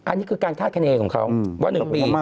อันนี้คือการคาดคณีของเขาว่า๑ปี